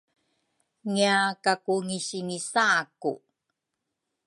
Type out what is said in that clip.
ngiakakuangisignisaku.